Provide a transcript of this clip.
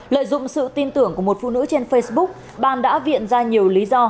lợi dụng sự tin tưởng của một phụ nữ trên facebook ban đã viện ra nhiều lý do